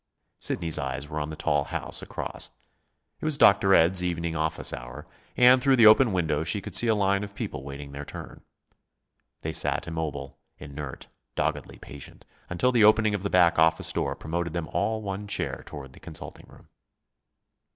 Sidney's eyes were on the tall house across. It was Dr. Ed's evening office hour, and through the open window she could see a line of people waiting their turn. They sat immobile, inert, doggedly patient, until the opening of the back office door promoted them all one chair toward the consulting room.